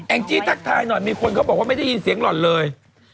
งจี้ทักทายหน่อยมีคนเขาบอกว่าไม่ได้ยินเสียงหล่อนเลย